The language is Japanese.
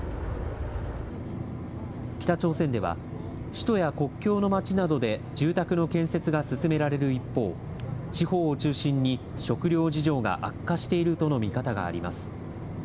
北朝鮮では、首都や国境のまちなどで住宅の建設が進められる一方、地方を中心に食料事情が悪化しているとの見方があります。